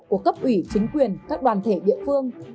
của cấp ủy chính quyền các đoàn thể địa phương